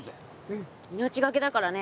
うん命がけだからね